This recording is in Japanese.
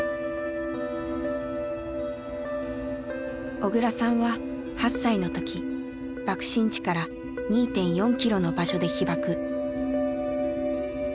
小倉さんは８歳の時爆心地から２．４キロの場所で被爆。